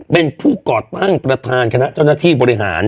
เป็นผู้ก่อตั้งประธานคณะเจ้าหน้าที่บริหาร